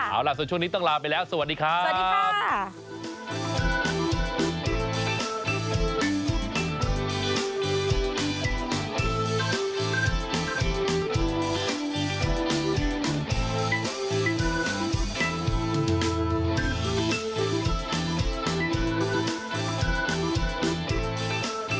เอาล่ะส่วนช่วงนี้ต้องลาไปแล้วสวัสดีครับสวัสดีครับ